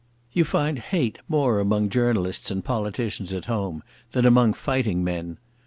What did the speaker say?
You find hate more among journalists and politicians at home than among fighting men.